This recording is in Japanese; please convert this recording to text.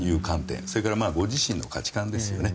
それからご自身の価値観ですよね。